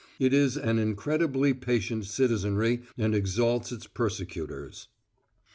It is an incredibly patient citizenry and exalts its persecutors.